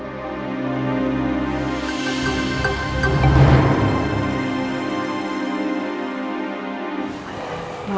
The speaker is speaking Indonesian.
terima kasih tante